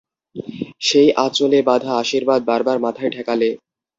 সেই আঁচলে-বাঁধা আশীর্বাদ বার বার মাথায় ঠেকালে।